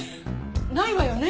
ないわよね？